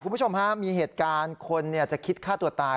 คุณผู้ชมฮะมีเหตุการณ์คนจะคิดฆ่าตัวตาย